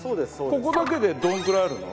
ここだけでどのくらいあるの？